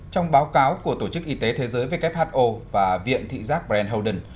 trong báo cáo của tổ chức y tế thế giới who và viện thị giác brand holden